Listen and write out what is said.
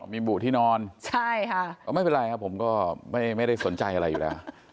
มีบุที่นอนใช่ค่ะก็ไม่เป็นไรครับผมก็ไม่ได้สนใจอะไรอยู่แล้ว